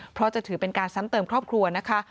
เพราะจะถือเป็นการซ้ำเติมครอบครัวนะคะ